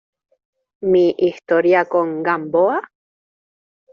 mi historia con Gamboa?